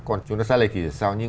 còn chúng nó ra lệch thì sao